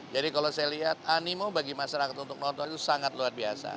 jadi kalau saya lihat animo bagi masyarakat untuk menonton itu sangat luar biasa